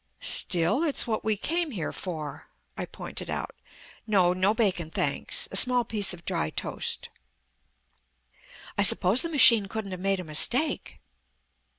"Still, it's what we came here for," I pointed out. "No, no bacon, thanks; a small piece of dry toast." "I suppose the machine couldn't have made a mistake?"